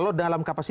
m anda mengisi